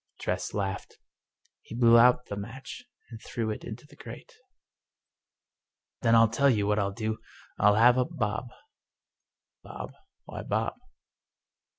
Tress laughed. He blew out the match and threw it into the grate. " Then I tell you what I'll do— I'll have up Bob." "Bob— why Bob?"